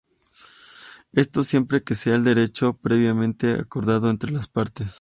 Esto siempre que sea el derecho previamente acordado entre las partes.